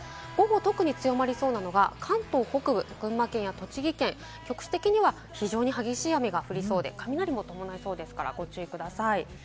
特に強まりそうなのが関東北部、群馬県や栃木県、局地的には非常に激しい雨が降りそうで、雷も伴いそうですから、ご注意ください。